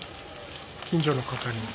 近所の方に。